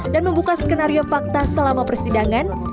membuka skenario fakta selama persidangan